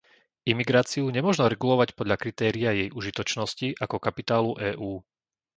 Imigráciu nemožno regulovať podľa kritéria jej užitočnosti ako kapitálu EÚ.